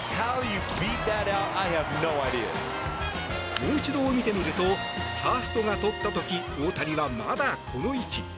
もう一度見てみるとファーストがとった時大谷はまだこの位置。